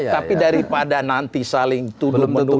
tapi daripada nanti saling tuduh menuduh